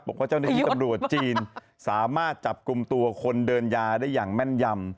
บอกว่าเจ้าหน้าที่ตำรวจจีนสามารถจับกลุ่มตัวคนเดินยาได้อย่างแม่นยำ